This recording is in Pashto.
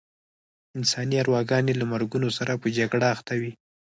انساني ارواګانې له مرګونو سره په جګړه اخته وې.